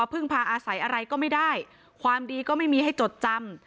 พึ่งพาอาศัยอะไรก็ไม่ได้ความดีก็ไม่มีให้จดจำ